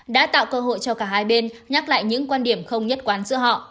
đã tạo cơ hội cho cả hai bên nhắc lại những quan điểm không nhất quán giữa họ